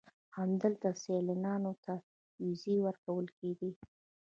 همدلته سیلانیانو ته ویزې ورکول کېدې.